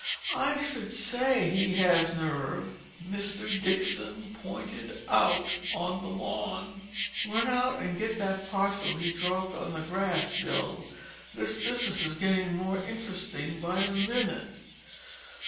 "I should say he has nerve—" Mr. Dixon pointed out on to the lawn. "Run out and get that parcel he dropped on the grass, Bill. This business is getting more interesting by the minute!"